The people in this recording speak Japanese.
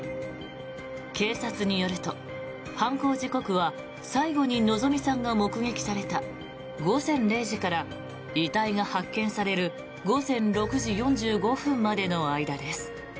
警察によると、犯行時刻は最後に希美さんが目撃された午前０時から遺体が発見される午前６時４５分までの間です。